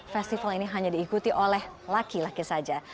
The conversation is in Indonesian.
festival ini hanya diikuti oleh laki laki saja